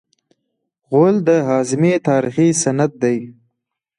غول د هاضمې تاریخي سند دی.